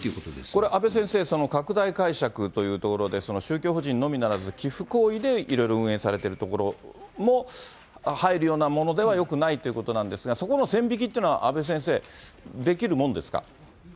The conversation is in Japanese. これ、阿部先生、拡大解釈というところで、宗教法人のみならず、寄付行為でいろいろ運営されてるところも入るようなものではよくないということなんですが、そこの線引きというのは阿部先生、できるもんですか。